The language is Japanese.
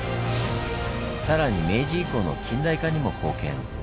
さらに明治以降の近代化にも貢献。